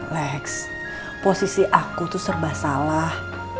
lex posisi aku tuh serba salah